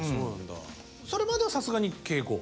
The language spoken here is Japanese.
それまではさすがに敬語？